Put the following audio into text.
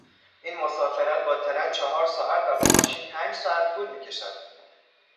این مسافرت با ترنچهار ساعت و با ماشین پنج ساعت طول میکشد.